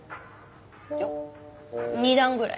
いや２段ぐらい。